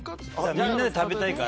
みんなで食べたいんで。